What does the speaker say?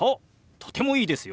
とてもいいですよ。